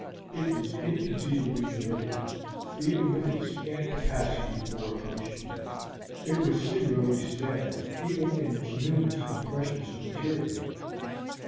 It was inconceivably dirty, even with its scant capacity for accretion; it was singularly stale, even in its newness and freshness of material.